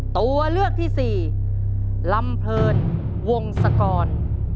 ตัวเลือกที่สี่ลำเพลินวงศกร